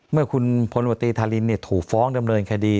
เมื่อคุณพลวตรีธารินถูกฟ้องดำเนินคดี